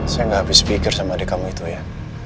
saya gak habis pikir sama adik kamu itu ya